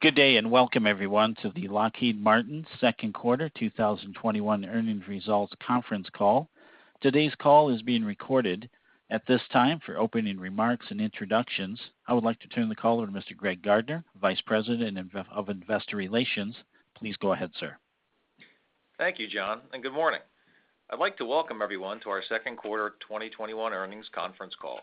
Good day, and welcome, everyone, to the Lockheed Martin second quarter 2021 earnings results conference call. Today's call is being recorded. At this time, for opening remarks and introductions, I would like to turn the call over to Mr. Greg Gardner, Vice President of Investor Relations. Please go ahead, sir. Thank you, John, and good morning. I'd like to welcome everyone to our second quarter 2021 earnings conference call.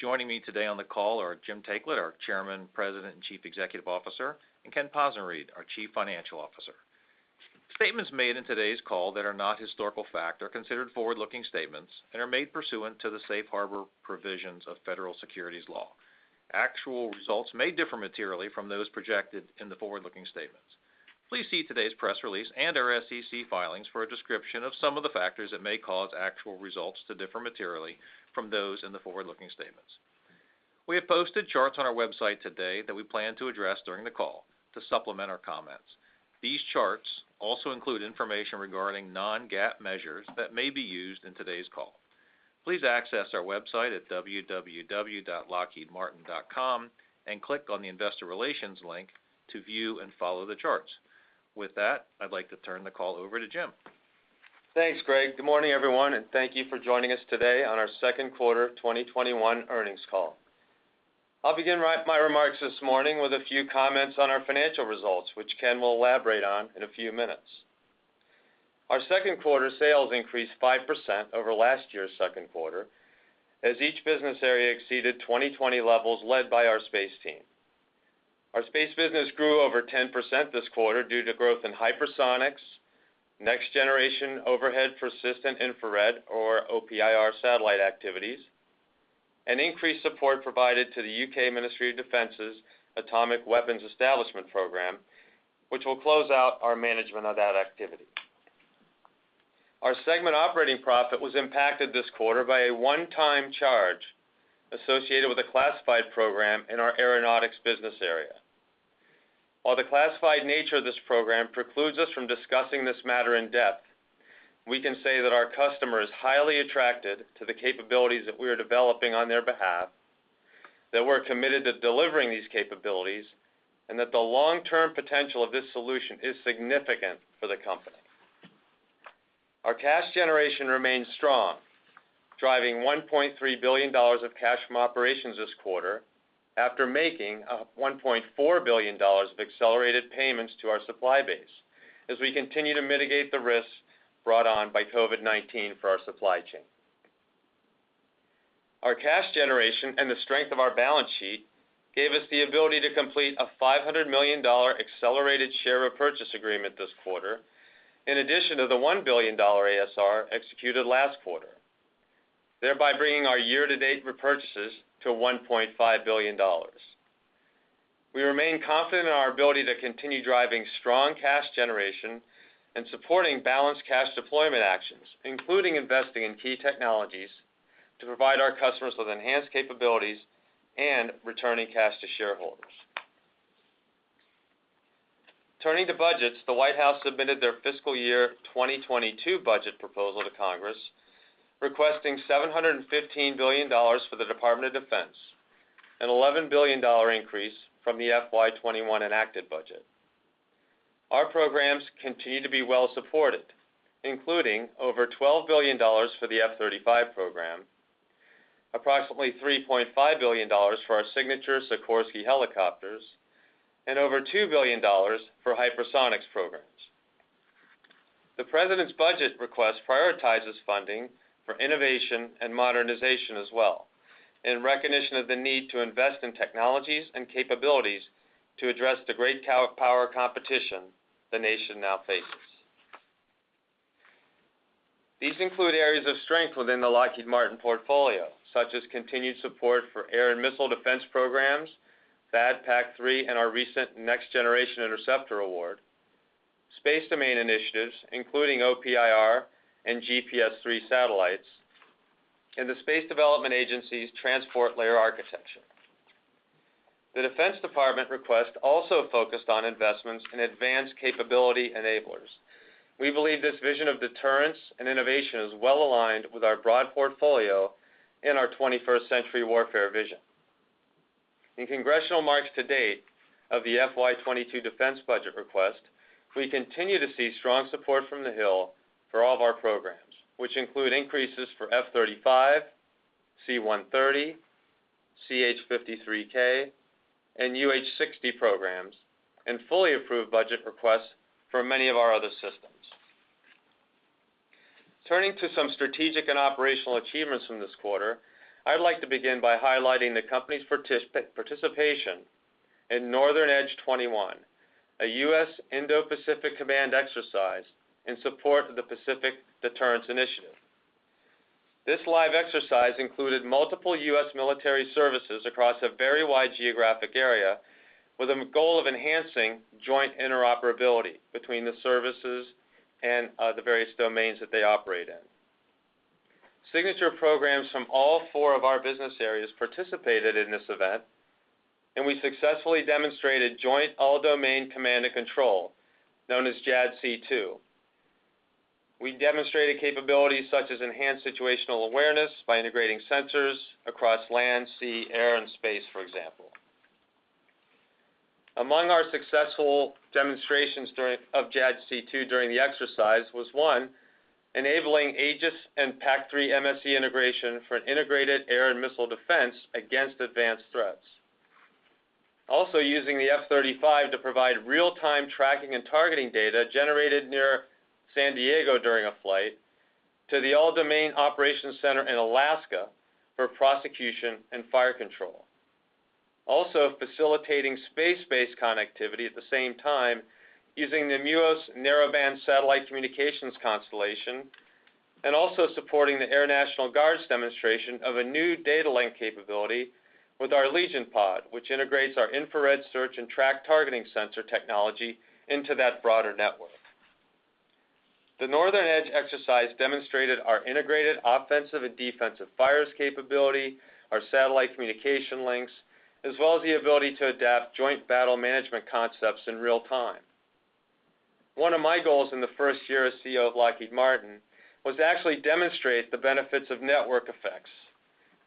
Joining me today on the call are Jim Taiclet, our Chairman, President, and Chief Executive Officer, and Ken Possenriede, our Chief Financial Officer. Statements made in today's call that are not historical fact are considered forward-looking statements and are made pursuant to the safe harbor provisions of federal securities law. Actual results may differ materially from those projected in the forward-looking statements. Please see today's press release and our SEC filings for a description of some of the factors that may cause actual results to differ materially from those in the forward-looking statements. We have posted charts on our website today that we plan to address during the call to supplement our comments. These charts also include information regarding non-GAAP measures that may be used in today's call. Please access our website at www.lockheedmartin.com and click on the Investor Relations link to view and follow the charts. With that, I'd like to turn the call over to Jim. Thanks, Greg. Good morning, everyone, and thank you for joining us today on our second quarter 2021 earnings call. I'll begin my remarks this morning with a few comments on our financial results, which Ken will elaborate on in a few minutes. Our second quarter sales increased 5% over last year's second quarter, as each business area exceeded 2020 levels, led by our space team. Our space business grew over 10% this quarter due to growth in hypersonics, Next Generation Overhead Persistent Infrared, or OPIR satellite activities, and increased support provided to the U.K. Ministry of Defence's Atomic Weapons Establishment program, which will close out our management of that activity. Our segment operating profit was impacted this quarter by a one-time charge associated with a classified program in our aeronautics business area. While the classified nature of this program precludes us from discussing this matter in depth, we can say that our customer is highly attracted to the capabilities that we are developing on their behalf, that we're committed to delivering these capabilities, and that the long-term potential of this solution is significant for the company. Our cash generation remains strong, driving $1.3 billion of cash from operations this quarter after making $1.4 billion of accelerated payments to our supply base as we continue to mitigate the risks brought on by COVID-19 for our supply chain. Our cash generation and the strength of our balance sheet gave us the ability to complete a $500 million accelerated share repurchase agreement this quarter, in addition to the $1 billion ASR executed last quarter, thereby bringing our year-to-date repurchases to $1.5 billion. We remain confident in our ability to continue driving strong cash generation and supporting balanced cash deployment actions, including investing in key technologies to provide our customers with enhanced capabilities and returning cash to shareholders. Turning to budgets, the White House submitted their fiscal year 2022 budget proposal to Congress, requesting $715 billion for the Department of Defense, an $11 billion increase from the FY 2021-enacted budget. Our programs continue to be well supported, including over $12 billion for the F-35 program, approximately $3.5 billion for our signature Sikorsky helicopters, and over $2 billion for hypersonics programs. The President's budget request prioritizes funding for innovation and modernization as well, in recognition of the need to invest in technologies and capabilities to address the great power competition the nation now faces. These include areas of strength within the Lockheed Martin portfolio, such as continued support for air and missile defense programs, THAAD PAC-3, and our recent Next Generation Interceptor award, space domain initiatives, including OPIR and GPS III satellites, and the Space Development Agency's transport layer architecture. The Defense Department request also focused on investments in advanced capability enablers. We believe this vision of deterrence and innovation is well aligned with our broad portfolio and our 21st century warfare vision. In congressional marks to date of the FY 2022 defense budget request, we continue to see strong support from the Hill for all of our programs, which include increases for F-35, C-130, CH-53K, and UH-60 programs, and fully approved budget requests for many of our other systems. Turning to some strategic and operational achievements from this quarter, I'd like to begin by highlighting the company's participation in Northern Edge 21, a U.S. Indo-Pacific Command exercise in support of the Pacific Deterrence Initiative. This live exercise included multiple U.S. military services across a very wide geographic area with a goal of enhancing joint interoperability between the services and the various domains that they operate in. Signature programs from all four of our business areas participated in this event. We successfully demonstrated Joint All-Domain Command and Control, known as JADC2. We demonstrated capabilities such as enhanced situational awareness by integrating sensors across land, sea, air, and space, for example. Among our successful demonstrations of JADC2 during the exercise was one, enabling Aegis and PAC-3 MSE integration for an integrated air and missile defense against advanced threats. Also, using the F-35 to provide real-time tracking and targeting data generated near San Diego during a flight to the All-Domain Operations Center in Alaska for prosecution and fire control. Also, facilitating space-based connectivity at the same time using the MUOS Narrowband Satellite Communications Constellation, and also supporting the Air National Guard's demonstration of a new data link capability with our Legion Pod, which integrates our infrared search and track targeting sensor technology into that broader network. The Northern Edge exercise demonstrated our integrated offensive and defensive fires capability, our satellite communication links, as well as the ability to adapt joint battle management concepts in real-time. One of my goals in the first year as CEO of Lockheed Martin was to actually demonstrate the benefits of network effects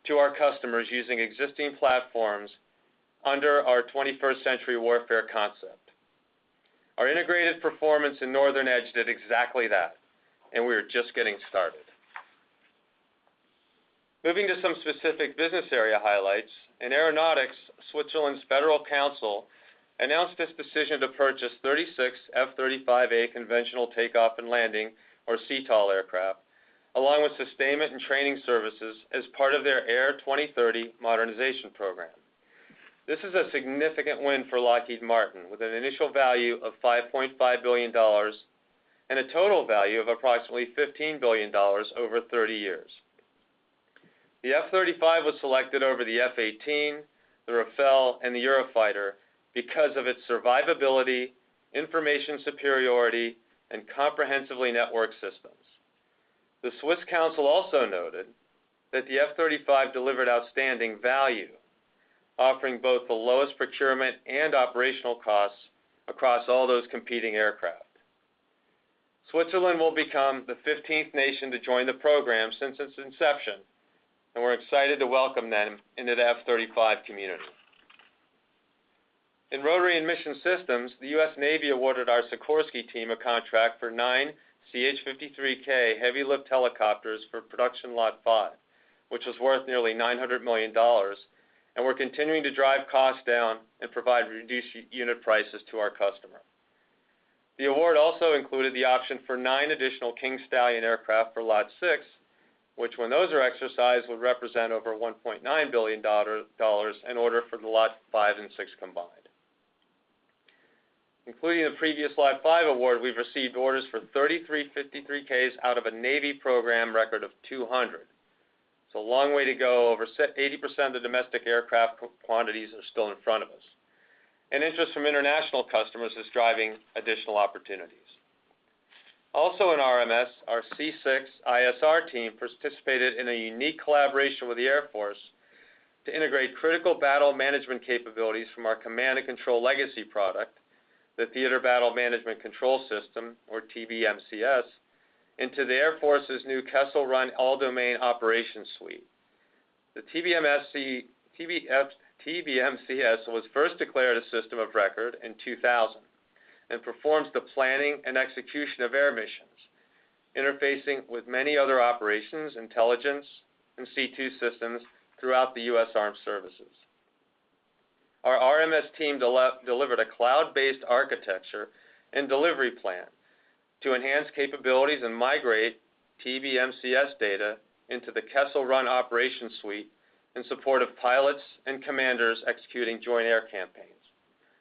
to our customers using existing platforms under our 21st Century Warfare concept. Our integrated performance in Northern Edge did exactly that, and we are just getting started. Moving to some specific business area highlights. In aeronautics, Switzerland's Federal Council announced its decision to purchase 36 F-35A conventional takeoff and landing, or CTOL, aircraft, along with sustainment and training services as part of their Air 2030 modernization program. This is a significant win for Lockheed Martin, with an initial value of $5.5 billion and a total value of approximately $15 billion over 30 years. The F-35 was selected over the F-18, the Rafale, and the Eurofighter because of its survivability, information superiority, and comprehensively networked systems. The Swiss council also noted that the F-35 delivered outstanding value, offering both the lowest procurement and operational costs across all those competing aircraft. Switzerland will become the 15th nation to join the program since its inception, and we're excited to welcome them into the F-35 community. In Rotary and Mission Systems, the U.S. Navy awarded our Sikorsky team a contract for nine CH-53K Heavy Lift helicopters for production Lot five, which was worth nearly $900 million, we're continuing to drive costs down and provide reduced unit prices to our customer. The award also included the option for nine additional King Stallion aircraft for Lot six, which, when those are exercised, would represent over $1.9 billion in order for the Lot five and six combined. Including the previous Lot five award, we've received orders for 33 53Ks out of a U.S. Navy program record of 200. It's a long way to go. Over 80% of the domestic aircraft quantities are still in front of us. Interest from international customers is driving additional opportunities. Also in RMS, our C6ISR team participated in a unique collaboration with the Air Force to integrate critical battle management capabilities from our command and control legacy product, the Theater Battle Management Core System, or TBMCS, into the Air Force's new Kessel Run All-Domain Operations Suite. The TBMCS was first declared a system of record in 2000 and performs the planning and execution of air missions, interfacing with many other operations, intelligence, and C2 systems throughout the U.S. Armed Services. Our RMS team delivered a cloud-based architecture and delivery plan to enhance capabilities and migrate TBMCS data into the Kessel Run operation suite in support of pilots and commanders executing joint air campaigns.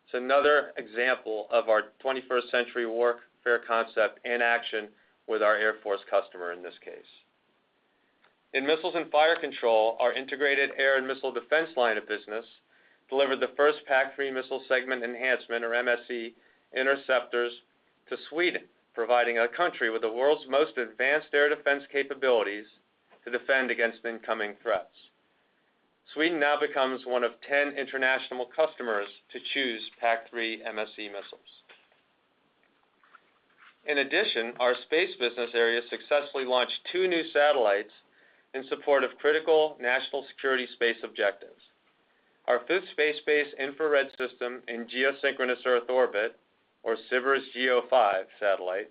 It's another example of our 21st Century Warfare concept in action with our Air Force customer, in this case. In missiles and fire control, our integrated air and missile defense line of business delivered the first PAC-3 Missile Segment Enhancement, or MSE, interceptors to Sweden, providing a country with the world's most advanced air defense capabilities to defend against incoming threats. Sweden now becomes one of 10 international customers to choose PAC-3 MSE missiles. In addition, our space business area successfully launched two new satellites in support of critical national security space objectives. Our fifth Space Based Infrared System in Geosynchronous Earth Orbit, or SBIRS-GEO-5 satellite,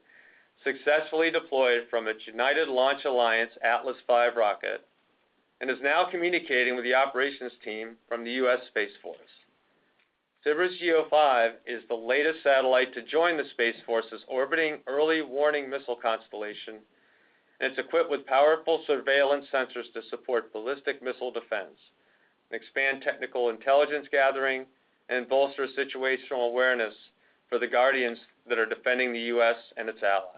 successfully deployed from a United Launch Alliance Atlas V rocket and is now communicating with the operations team from the U.S. Space Force. SBIRS GEO-5 is the latest satellite to join the Space Force's orbiting early warning missile constellation, it's equipped with powerful surveillance sensors to support ballistic missile defense, expand technical intelligence gathering, bolster situational awareness for the Guardians that are defending the U.S. and its allies.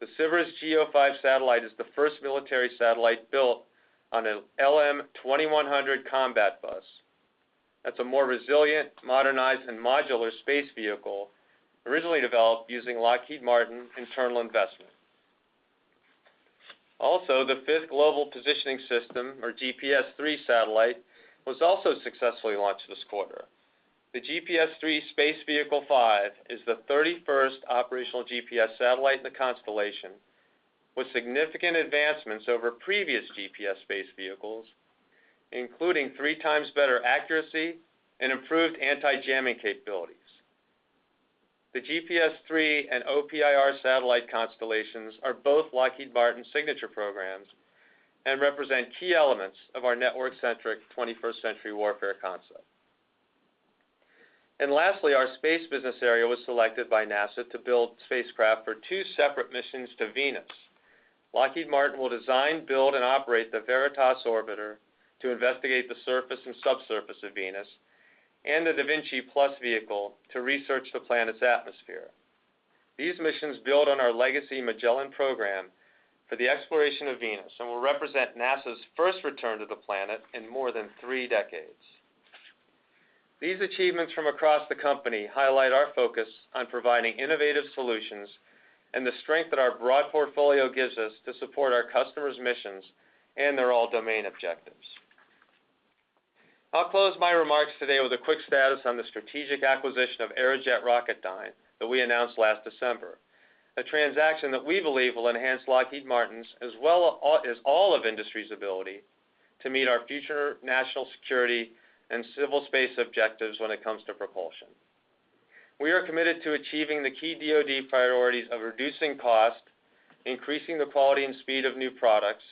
The SBIRS GEO-5 satellite is the first military satellite built on a LM 2100. That's a more resilient, modernized, modular space vehicle originally developed using Lockheed Martin internal investment. The fifth Global Positioning System, or GPS III satellite, was also successfully launched this quarter. The GPS III Space Vehicle-05 is the 31st operational GPS satellite in the constellation, with significant advancements over previous GPS space vehicles, including three times better accuracy improved anti-jamming capabilities. The GPS III and OPIR satellite constellations are both Lockheed Martin signature programs represent key elements of our network-centric 21st-century warfare concept. Lastly, our space business area was selected by NASA to build spacecraft for two separate missions to Venus. Lockheed Martin will design, build, and operate the VERITAS Orbiter to investigate the surface and subsurface of Venus and the DAVINCI+ vehicle to research the planet's atmosphere. These missions build on our legacy Magellan program for the exploration of Venus and will represent NASA's first return to the planet in more than three decades. These achievements from across the company highlight our focus on providing innovative solutions and the strength that our broad portfolio gives us to support our customers' missions and their All-Domain objectives. I'll close my remarks today with a quick status on the strategic acquisition of Aerojet Rocketdyne that we announced last December, a transaction that we believe will enhance Lockheed Martin's, as well as all of industry's, ability to meet our future national security and civil space objectives when it comes to propulsion. We are committed to achieving the key DOD priorities of reducing cost, increasing the quality and speed of new products,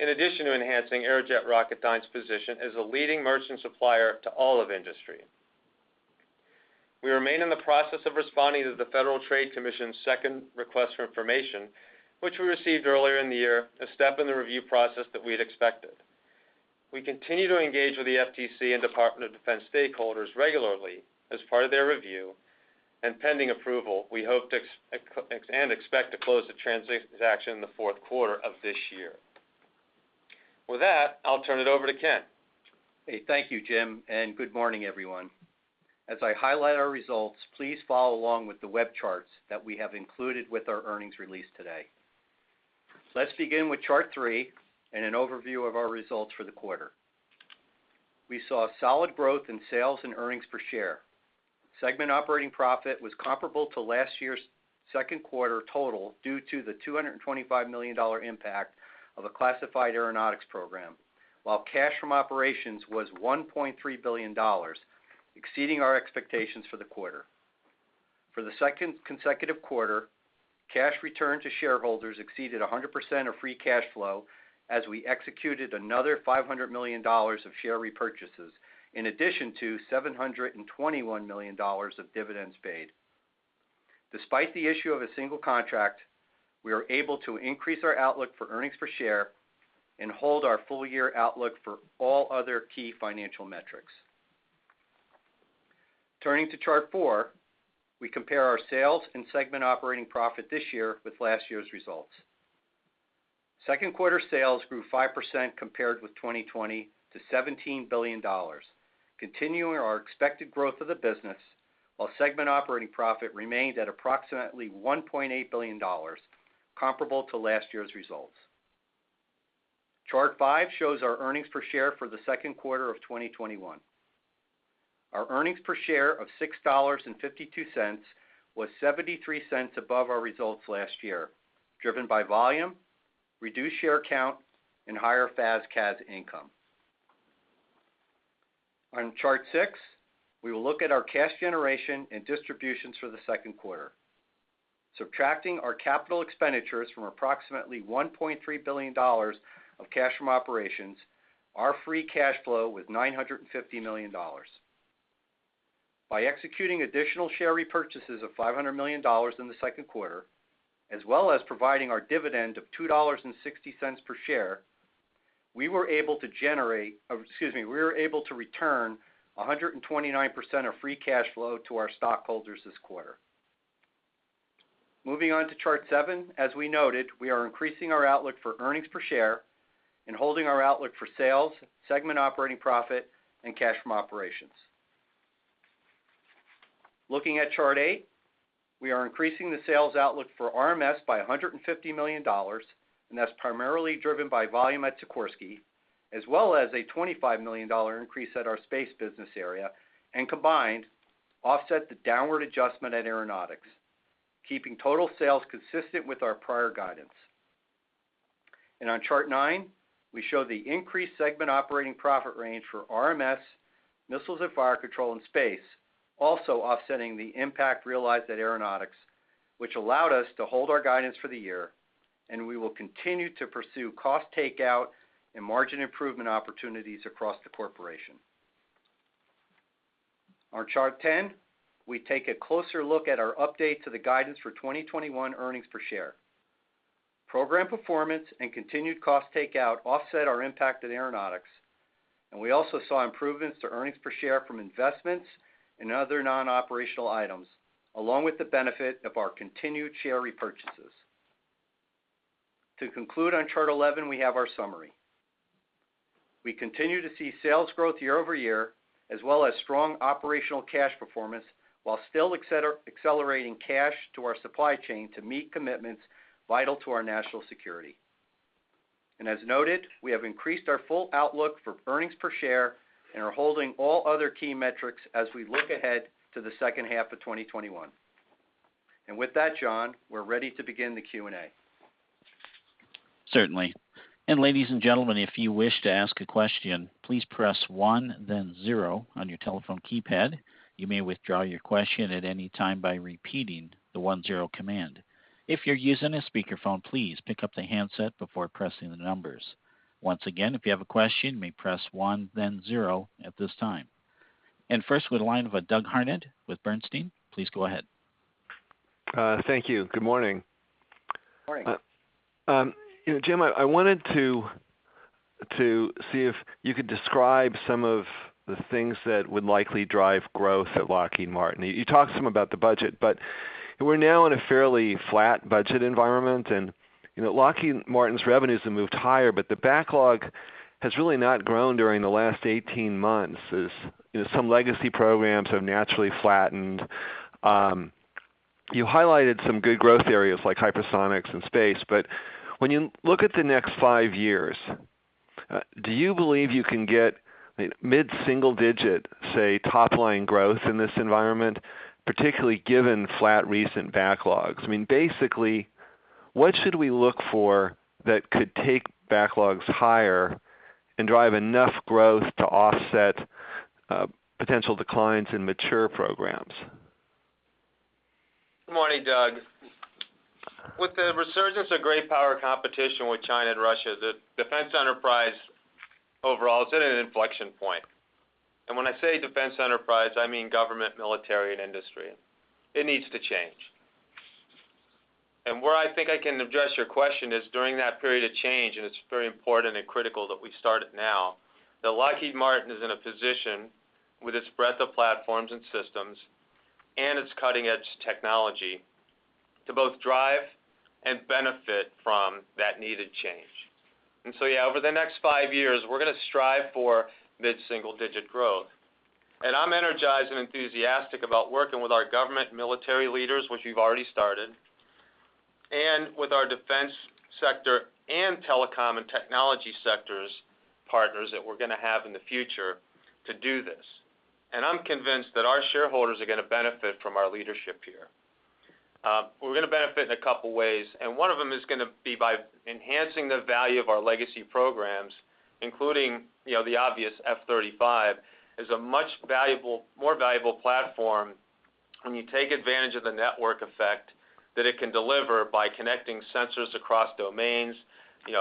in addition to enhancing Aerojet Rocketdyne's position as a leading merchant supplier to all of industry. We remain in the process of responding to the Federal Trade Commission's second request for information, which we received earlier in the year, a step in the review process that we had expected. We continue to engage with the FTC and Department of Defense stakeholders regularly as part of their review, and pending approval, we hope and expect to close the transaction in the fourth quarter of this year. With that, I'll turn it over to Ken. Hey, thank you, Jim, and good morning, everyone. As I highlight our results, please follow along with the web charts that we have included with our earnings release today. Let's begin with Chart three and an overview of our results for the quarter. We saw solid growth in sales and earnings per share. Segment operating profit was comparable to last year's second quarter total due to the $225 million impact of a classified aeronautics program, while cash from operations was $1.3 billion, exceeding our expectations for the quarter. For the second consecutive quarter, cash return to shareholders exceeded 100% of free cash flow as we executed another $500 million of share repurchases, in addition to $721 million of dividends paid. Despite the issue of a single contract, we are able to increase our outlook for earnings per share and hold our full-year outlook for all other key financial metrics. Turning to Chart four, we compare our sales and segment operating profit this year with last year's results. Second quarter sales grew 5% compared with 2020 to $17 billion, continuing our expected growth of the business, while segment operating profit remained at approximately $1.8 billion, comparable to last year's results. Chart five shows our earnings per share for the second quarter of 2021. Our earnings per share of $6.52 was $0.73 above our results last year, driven by volume, reduced share count, and higher FAS/CAS income. On Chart six, we will look at our cash generation and distributions for the second quarter. Subtracting our capital expenditures from approximately $1.3 billion of cash from operations, our free cash flow was $950 million. By executing additional share repurchases of $500 million in the second quarter, as well as providing our dividend of $2.60 per share, we were able to return 129% of free cash flow to our stockholders this quarter. Moving on to Chart seven, as we noted, we are increasing our outlook for earnings per share and holding our outlook for sales, segment operating profit, and cash from operations. Looking at Chart eight, we are increasing the sales outlook for RMS by $150 million, and that's primarily driven by volume at Sikorsky, as well as a $25 million increase at our space business area, and combined, offset the downward adjustment at Aeronautics, keeping total sales consistent with our prior guidance. On Chart nine, we show the increased segment operating profit range for RMS, Missiles and Fire Control, and Space, also offsetting the impact realized at Aeronautics, which allowed us to hold our guidance for the year. We will continue to pursue cost takeout and margin improvement opportunities across the corporation. On Chart 10, we take a closer look at our update to the guidance for 2021 earnings per share. Program performance and continued cost takeout offset our impact at Aeronautics. We also saw improvements to earnings per share from investments and other non-operational items, along with the benefit of our continued share repurchases. To conclude, on Chart 11, we have our summary. We continue to see sales growth year-over-year, as well as strong operational cash performance while still accelerating cash to our supply chain to meet commitments vital to our national security. As noted, we have increased our full outlook for earnings per share and are holding all other key metrics as we look ahead to the second half of 2021. With that, John, we're ready to begin the Q&A. Certainly. Ladies and gentlemen, if you wish to ask a question, please press one then zero on your telephone keypad. You may withdraw your question at any time by repeating the one, zero command. If you're using a speakerphone, please pick up the handset before pressing the numbers. Once again, if you have a question, you may press one, then 0 at this time. First with the line with Doug Harned with Bernstein, please go ahead. Thank you. Good morning. Morning. Jim, I wanted to see if you could describe some of the things that would likely drive growth at Lockheed Martin. You talked some about the budget, but we're now in a fairly flat budget environment, and Lockheed Martin's revenues have moved higher, but the backlog has really not grown during the last 18 months as some legacy programs have naturally flattened. You highlighted some good growth areas like hypersonics and space, but when you look at the next five years, do you believe you can get mid-single digit, say, top-line growth in this environment, particularly given flat recent backlogs? I mean, basically, what should we look for that could take backlogs higher and drive enough growth to offset potential declines in mature programs? Good morning, Doug. With the resurgence of great power competition with China and Russia, the defense enterprise overall is at an inflection point. When I say defense enterprise, I mean government, military, and industry. It needs to change. Where I think I can address your question is during that period of change, and it's very important and critical that we start it now, that Lockheed Martin is in a position with its breadth of platforms and systems and its cutting-edge technology to both drive and benefit from that needed change. Yeah, over the next five years, we're going to strive for mid-single digit growth. I'm energized and enthusiastic about working with our government military leaders, which we've already started, and with our defense sector and telecom and technology sectors partners that we're going to have in the future to do this. I'm convinced that our shareholders are going to benefit from our leadership here. We're going to benefit in a couple of ways, and one of them is going to be by enhancing the value of our legacy programs, including the obvious F-35, as a much more valuable platform when you take advantage of the network effect that it can deliver by connecting sensors across domains,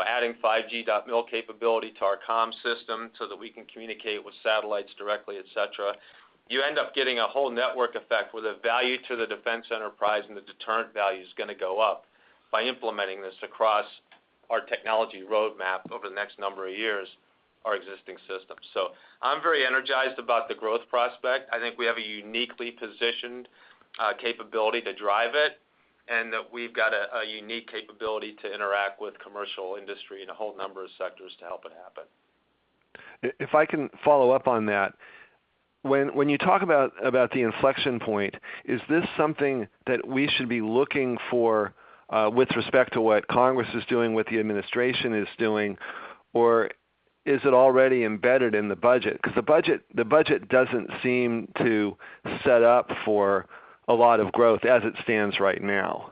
adding 5G.MIL capability to our comm system so that we can communicate with satellites directly, et cetera. You end up getting a whole network effect where the value to the defense enterprise and the deterrent value is going to go up by implementing this across our technology roadmap over the next number of years, our existing systems. I'm very energized about the growth prospect. I think we have a uniquely positioned capability to drive it, and that we've got a unique capability to interact with commercial industry and a whole number of sectors to help it happen. If I can follow up on that, when you talk about the inflection point, is this something that we should be looking for with respect to what Congress is doing, what the administration is doing, or is it already embedded in the budget? Because the budget doesn't seem to set up for a lot of growth as it stands right now.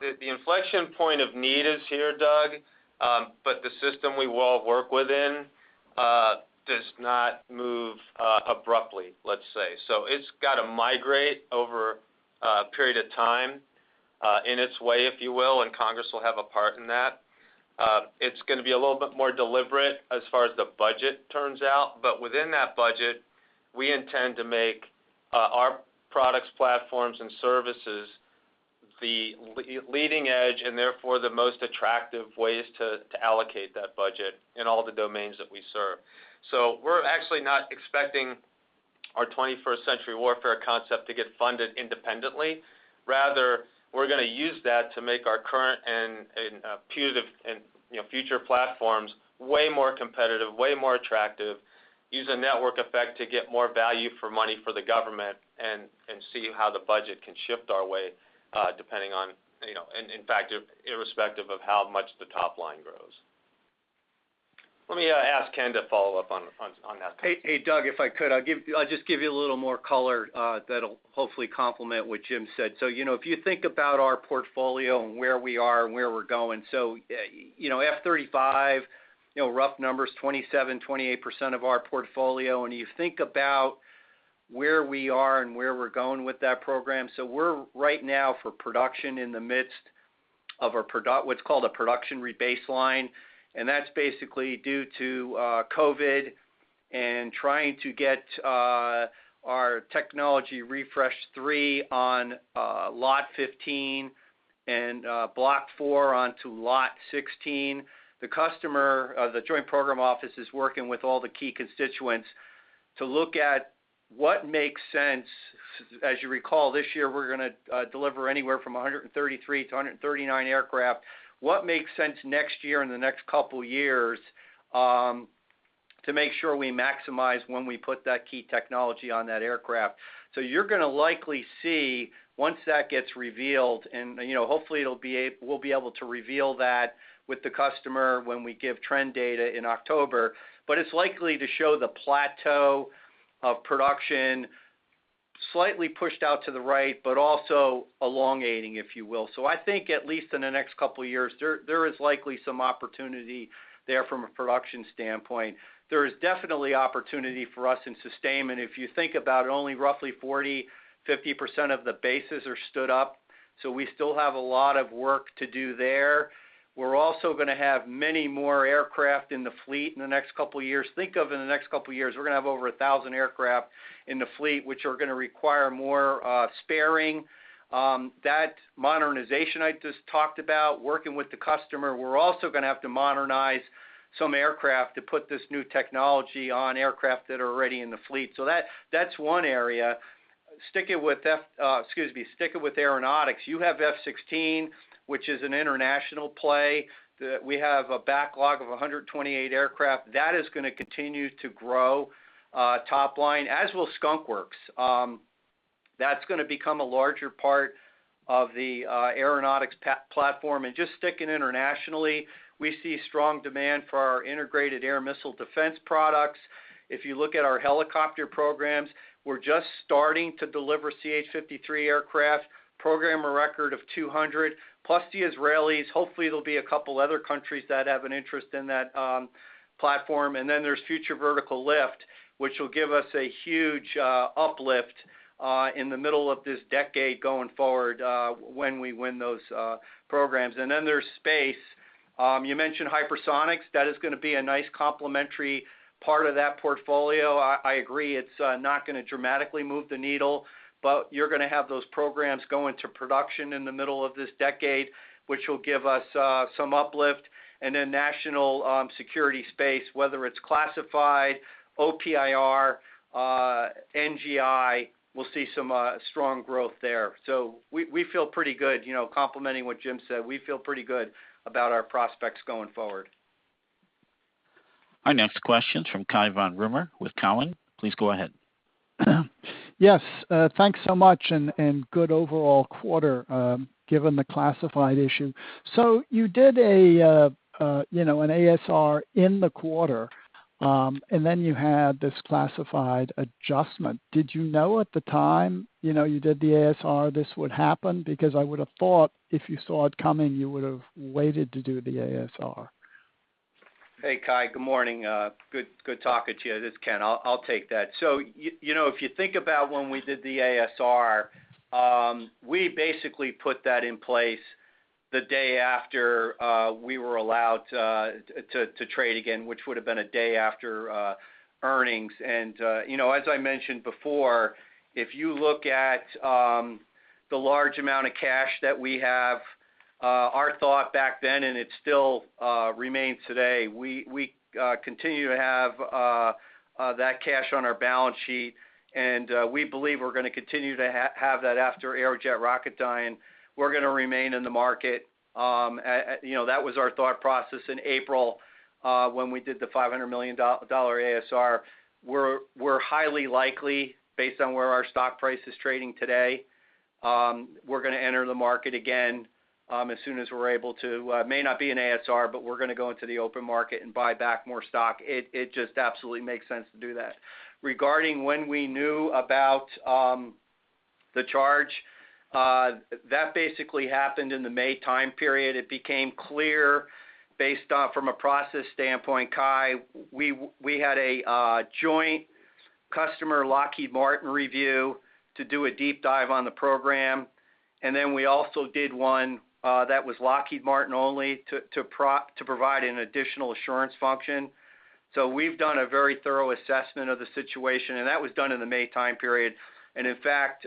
The inflection point of need is here, Doug, but the system we all work within does not move abruptly, let's say. It's got to migrate over a period of time in its way, if you will, and Congress will have a part in that. It's going to be a little bit more deliberate as far as the budget turns out. Within that budget, we intend to make our products, platforms, and services the leading edge, and therefore, the most attractive ways to allocate that budget in all the domains that we serve. We're actually not expecting our 21st century warfare concept to get funded independently. We're going to use that to make our current and future platforms way more competitive, way more attractive, use a network effect to get more value for money for the government and see how the budget can shift our way, depending on, in fact, irrespective of how much the top line grows. Let me ask Ken to follow up on that. Hey, Doug, if I could, I'll just give you a little more color that'll hopefully complement what Jim said. If you think about our portfolio and where we are and where we're going, F-35, rough numbers, 27%-28% of our portfolio, and you think about where we are and where we're going with that program. We're right now for production in the midst of what's called a production rebaseline, and that's basically due to COVID and trying to get our Technology Refresh-3 on Lot 15 and Block four onto Lot 16. The customer, the joint program office, is working with all the key constituents to look at what makes sense. As you recall, this year we're going to deliver anywhere from 133-139 aircraft. What makes sense next year and the next couple of years, to make sure we maximize when we put that key technology on that aircraft. You're going to likely see, once that gets revealed, and hopefully we'll be able to reveal that with the customer when we give trend data in October, but it's likely to show the plateau of production slightly pushed out to the right, but also elongating, if you will. I think at least in the next couple of years, there is likely some opportunity there from a production standpoint. There is definitely opportunity for us in sustainment. If you think about it, only roughly 40%, 50% of the bases are stood up, so we still have a lot of work to do there. We're also going to have many more aircraft in the fleet in the next couple of years. Think of in the next couple of years, we're going to have over 1,000 aircraft in the fleet, which are going to require more sparing. That modernization I just talked about, working with the customer, we're also going to have to modernize some aircraft to put this new technology on aircraft that are already in the fleet. That's one area. Sticking with aeronautics, you have F-16, which is an international play. We have a backlog of 128 aircraft. That is going to continue to grow top line, as will Skunk Works. That's going to become a larger part of the aeronautics platform. Just sticking internationally, we see strong demand for our integrated air missile defense products. If you look at our helicopter programs, we're just starting to deliver CH-53 aircraft program, a record of 200, plus the Israelis. Hopefully there'll be a couple other countries that have an interest in that platform. There's Future Vertical Lift, which will give us a huge uplift in the middle of this decade going forward when we win those programs. You mentioned hypersonics. That is going to be a nice complementary part of that portfolio. I agree it's not going to dramatically move the needle, but you're going to have those programs go into production in the middle of this decade, which will give us some uplift. National Security Space, whether it's classified, OPIR, NGI, we'll see some strong growth there. We feel pretty good. Complementing what Jim said, we feel pretty good about our prospects going forward. Our next question's from Cai von Rumohr with Cowen. Please go ahead. Yes. Thanks so much, and good overall quarter, given the classified issue. You did an ASR in the quarter, and then you had this classified adjustment. Did you know at the time you did the ASR this would happen? I would have thought if you saw it coming, you would have waited to do the ASR. Hey, Cai, good morning. Good talking to you. This is Ken. I'll take that. If you think about when we did the ASR, we basically put that in place the day after we were allowed to trade again, which would have been a day after earnings. As I mentioned before, if you look at the large amount of cash that we have, our thought back then, and it still remains today, we continue to have that cash on our balance sheet, and we believe we're going to continue to have that after Aerojet Rocketdyne. We're going to remain in the market. That was our thought process in April, when we did the $500 million ASR. We're highly likely, based on where our stock price is trading today, we're going to enter the market again as soon as we're able to. It may not be an ASR. We're going to go into the open market and buy back more stock. It just absolutely makes sense to do that. Regarding when we knew about the charge, that basically happened in the May time period. It became clear based from a process standpoint, Cai. We had a joint customer, Lockheed Martin review to do a deep dive on the program. We also did one that was Lockheed Martin only to provide an additional assurance function. We've done a very thorough assessment of the situation, and that was done in the May time period. In fact,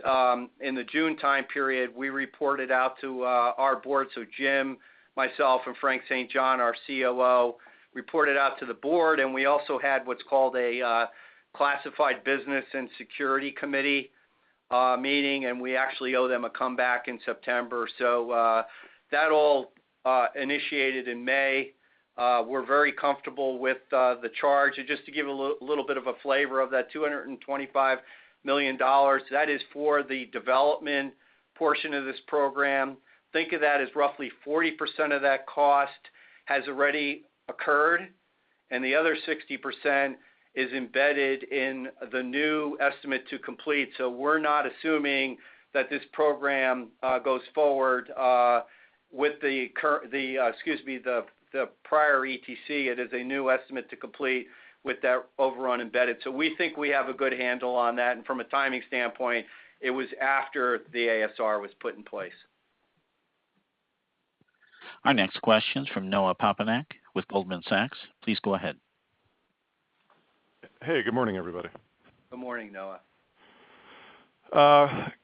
in the June time period, we reported out to our board. Jim, myself, and Frank St. John, our COO, reported out to the board, and we also had what's called a Classified Business and Security Committee meeting, and we actually owe them a comeback in September. That all initiated in May. We're very comfortable with the charge. Just to give a little bit of a flavor of that $225 million, that is for the development portion of this program. Think of that as roughly 40% of that cost has already occurred, and the other 60% is embedded in the new estimate to complete. We're not assuming that this program goes forward with the prior ETC. It is a new estimate to complete with that overrun embedded. We think we have a good handle on that, and from a timing standpoint, it was after the ASR was put in place. Our next question's from Noah Poponak with Goldman Sachs. Please go ahead. Hey, good morning, everybody. Good morning, Noah.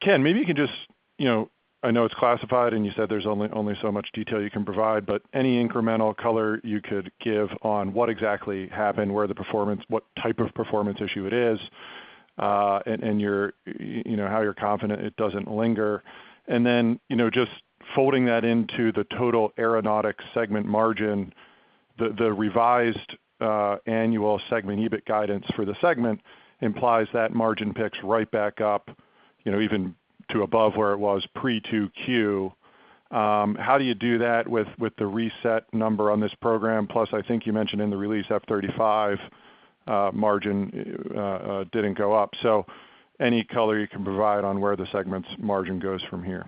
Ken, maybe you can just, I know it's classified, and you said there's only so much detail you can provide, but any incremental color you could give on what exactly happened, where the performance, what type of performance issue it is, and how you're confident it doesn't linger. Just folding that into the total aeronautics segment margin, the revised annual segment EBIT guidance for the segment implies that margin picks right back up, even to above where it was pre-2Q. How do you do that with the reset number on this program? Plus, I think you mentioned in the release, F-35 margin didn't go up. Any color you can provide on where the segment's margin goes from here.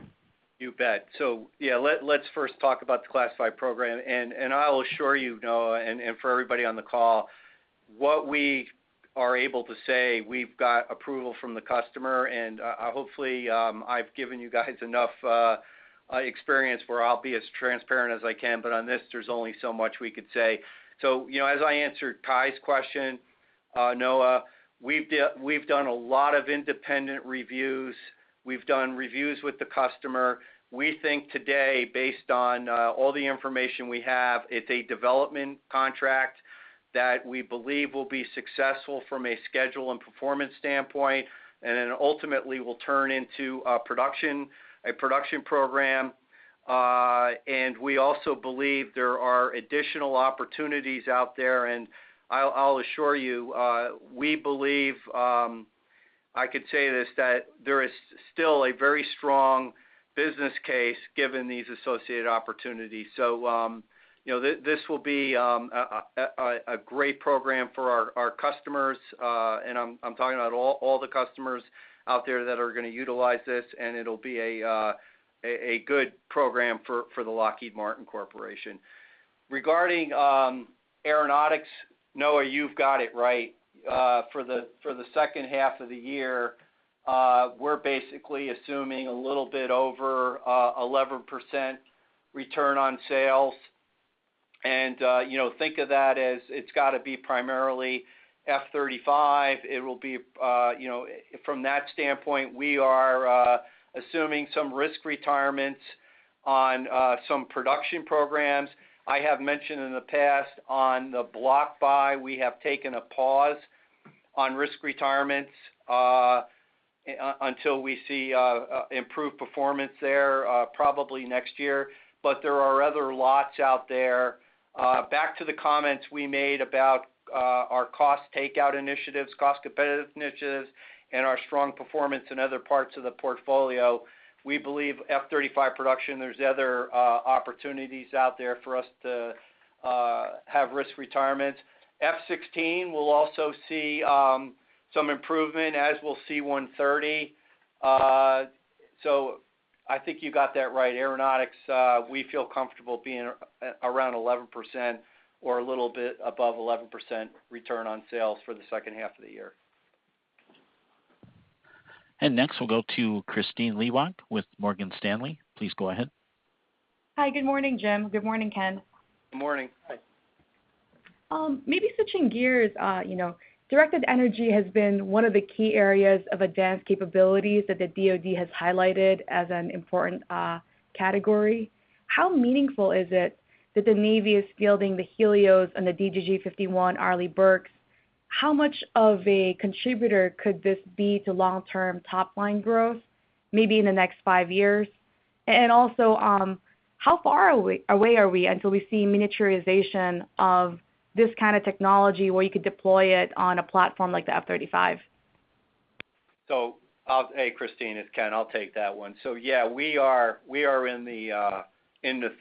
You bet. Yeah, let's first talk about the classified program, and I'll assure you, Noah, and for everybody on the call, what we are able to say, we've got approval from the customer and, hopefully, I've given you guys enough experience where I'll be as transparent as I can, but on this, there's only so much we could say. As I answered Cai's question, Noah, we've done a lot of independent reviews. We've done reviews with the customer. We think today, based on all the information we have, it's a development contract that we believe will be successful from a schedule and performance standpoint, and then ultimately will turn into a production program. We also believe there are additional opportunities out there, and I'll assure you, we believe, I could say this, that there is still a very strong business case given these associated opportunities. This will be a great program for our customers. I'm talking about all the customers out there that are going to utilize this, and it'll be a good program for the Lockheed Martin Corporation. Regarding aeronautics, Noah, you've got it right. For the second half of the year, we're basically assuming a little bit over 11% return on sales. Think of that as it's got to be primarily F-35. From that standpoint, we are assuming some risk retirements on some production programs. I have mentioned in the past on the block buy, we have taken a pause on risk retirements until we see improved performance there, probably next year. There are other lots out there. Back to the comments we made about our cost takeout initiatives, cost competitiveness initiatives, and our strong performance in other parts of the portfolio. We believe F-35 production, there's other opportunities out there for us to have risk retirements. F-16 will also see some improvement, as will C-130. I think you got that right. Aeronautics, we feel comfortable being around 11% or a little bit above 11% return on sales for the second half of the year. Next, we'll go to Kristine Liwag with Morgan Stanley. Please go ahead. Hi, good morning, Jim. Good morning, Ken. Good morning. Hi. Maybe switching gears. Directed energy has been one of the key areas of advanced capabilities that the DoD has highlighted as an important category. How meaningful is it that the Navy is fielding the HELIOS on the DDG 51 Arleigh Burkes? How much of a contributor could this be to long-term top-line growth, maybe in the next five years? Also, how far away are we until we see miniaturization of this kind of technology where you could deploy it on a platform like the F-35? Hey, Kristine, it's Ken. I'll take that one. Yeah, we are in the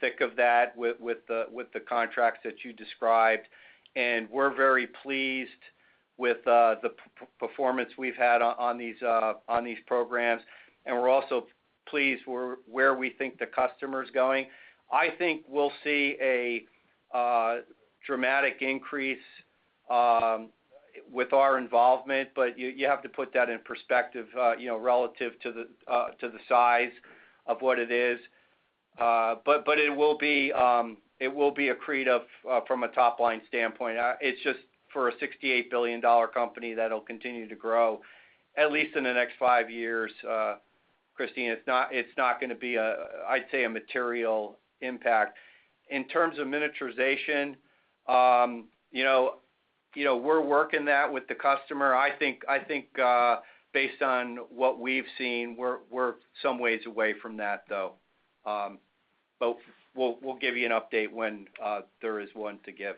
thick of that with the contracts that you described, and we're very pleased with the performance we've had on these programs. We're also pleased where we think the customer's going. I think we'll see a dramatic increase with our involvement, but you have to put that in perspective relative to the size of what it is. It will be accretive from a top-line standpoint. It's just for a $68 billion company that'll continue to grow at least in the next five years, Kristine, it's not going to be, I'd say, a material impact. In terms of miniaturization, we're working that with the customer. I think based on what we've seen, we're some ways away from that, though. We'll give you an update when there is one to give.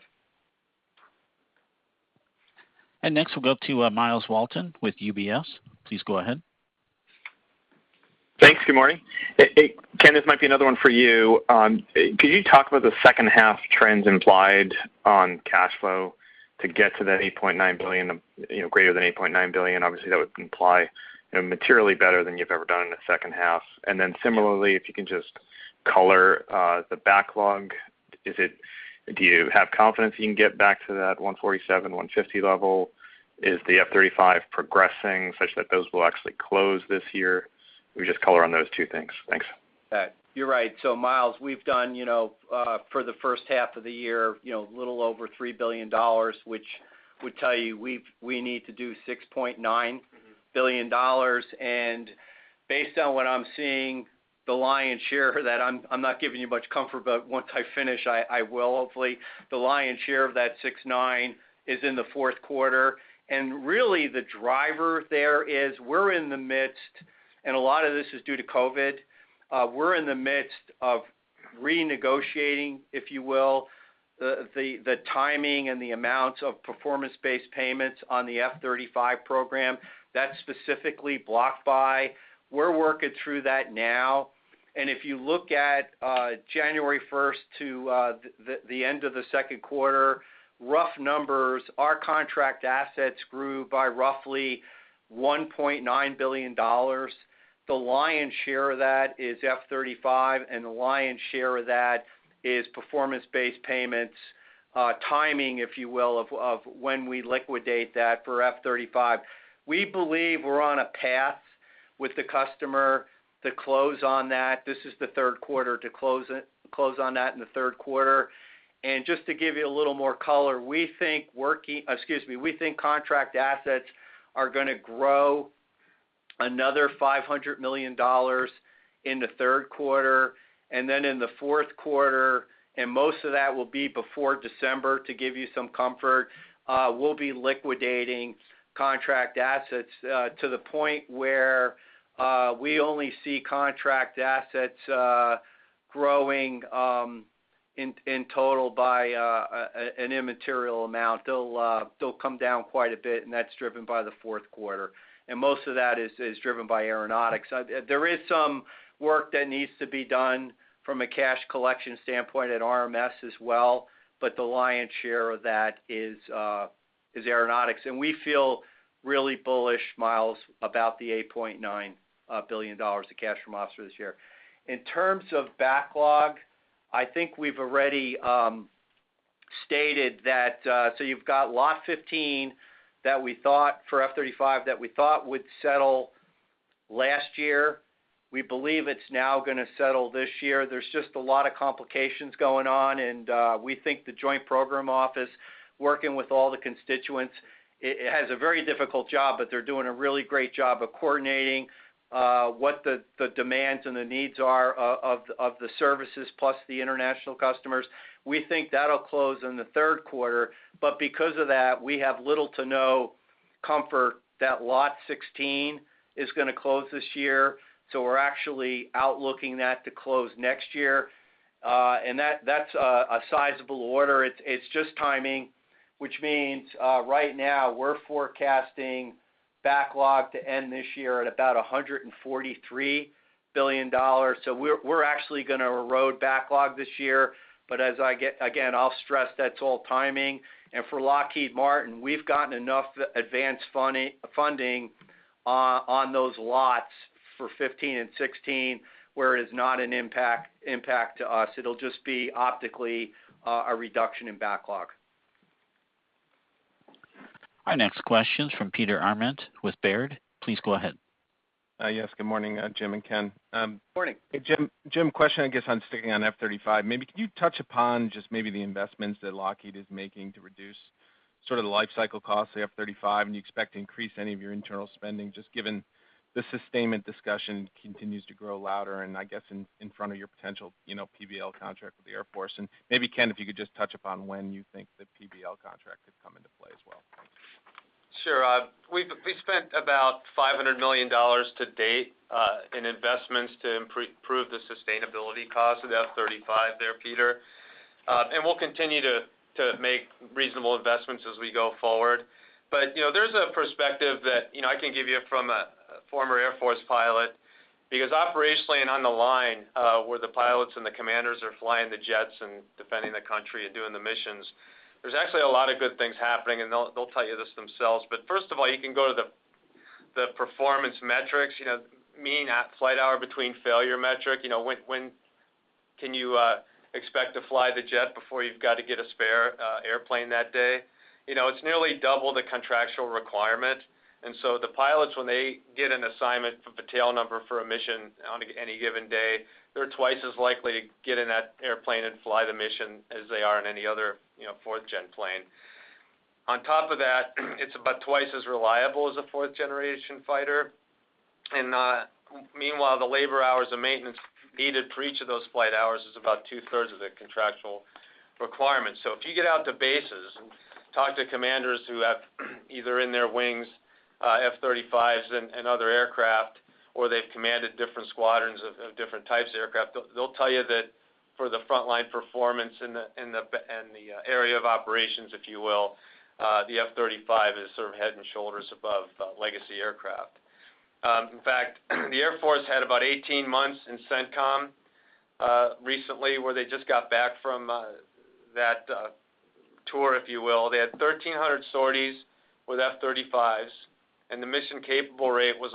Next, we'll go to Myles Walton with UBS. Please go ahead. Thanks. Good morning. Ken, this might be another one for you. Could you talk about the second half trends implied on cash flow to get to that greater than $8.9 billion? Obviously, that would imply materially better than you've ever done in the second half. Similarly, if you can just color the backlog. Do you have confidence you can get back to that $147, $150 level? Is the F-35 progressing such that those will actually close this year? We just color on those two things. Thanks. All right. You're right. Myles, we've done, for the first half of the year, a little over $3 billion, which would tell you we need to do $6.9 billion. Based on what I'm seeing, the lion's share of that, I'm not giving you much comfort, but once I finish, I will hopefully. The lion's share of that $6.9 billion is in the fourth quarter. Really the driver there is, we're in the midst, and a lot of this is due to COVID, we're in the midst of renegotiating, if you will, the timing and the amount of performance-based payments on the F-35 program. That's specifically block buy. We're working through that now. If you look at January 1st to the end of the second quarter, rough numbers, our contract assets grew by roughly $1.9 billion. The lion's share of that is F-35. The lion's share of that is performance-based payments, timing, if you will, of when we liquidate that for F-35. We believe we're on a path with the customer to close on that. This is the third quarter to close on that in the third quarter. Just to give you a little more color, we think contract assets are going to grow another $500 million in the third quarter. Then in the fourth quarter, most of that will be before December to give you some comfort. We'll be liquidating contract assets to the point where we only see contract assets growing in total by an immaterial amount. They'll come down quite a bit. That's driven by the fourth quarter. Most of that is driven by Aeronautics. There is some work that needs to be done from a cash collection standpoint at RMS as well, but the lion's share of that is aeronautics. We feel really bullish, Myles, about the $8.9 billion of cash from ops for this year. In terms of backlog, I think we've already stated that so you've got Lot 15 for F-35 that we thought would settle last year. We believe it's now going to settle this year. There's just a lot of complications going on, and we think the joint program office, working with all the constituents, it has a very difficult job, but they're doing a really great job of coordinating what the demands and the needs are of the services plus the international customers. We think that'll close in the third quarter. Because of that, we have little to no comfort that Lot 16 is going to close this year. We're actually out looking that to close next year. That's a sizable order. It's just timing, which means right now we're forecasting backlog to end this year at about $143 billion. We're actually going to erode backlog this year, but again, I'll stress that's all timing. For Lockheed Martin, we've gotten enough advanced funding on those lots for 15 and 16, where it is not an impact to us. It'll just be optically a reduction in backlog. Our next question is from Peter Arment with Baird. Please go ahead. Yes. Good morning, Jim and Ken. Morning. Hey, Jim, question, I guess, on sticking on F-35. Maybe could you touch upon just maybe the investments that Lockheed is making to reduce sort of the life cycle cost of the F-35, and do you expect to increase any of your internal spending, just given the sustainment discussion continues to grow louder and I guess in front of your potential PBL contract with the Air Force? Maybe Ken, if you could just touch upon when you think the PBL contract could come into play as well. Thanks. Sure. We've spent about $500 million to date in investments to improve the sustainability cost of the F-35 there, Peter. We'll continue to make reasonable investments as we go forward. There's a perspective that I can give you from a former Air Force pilot, because operationally and on the line, where the pilots and the commanders are flying the jets and defending the country and doing the missions, there's actually a lot of good things happening, and they'll tell you this themselves. First of all, you can go to the performance metrics, mean flight hour between failure metric. When can you expect to fly the jet before you've got to get a spare airplane that day? It's nearly double the contractual requirement. The pilots, when they get an assignment for a tail number for a mission on any given day, they are twice as likely to get in that airplane and fly the mission as they are in any other 4th-gen plane. On top of that, it is about twice as reliable as a 4th-generation fighter. Meanwhile, the labor hours of maintenance needed for each of those flight hours is about 2/3 of the contractual requirement. If you get out to bases and talk to commanders who have either in their wings F-35s and other aircraft, or they have commanded different squadrons of different types of aircraft, they will tell you that for the frontline performance in the area of operations, if you will, the F-35 is sort of head and shoulders above legacy aircraft. In fact, the Air Force had about 18 months in CENTCOM recently where they just got back from that tour, if you will. They had 1,300 sorties with F-35s, the mission capable rate was